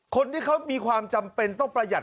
คนที่เขามีความจำเป็นต้องประหยัด